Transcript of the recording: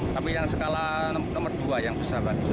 tapi yang skala ke dua yang besar